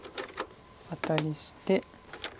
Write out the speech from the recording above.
アタリして。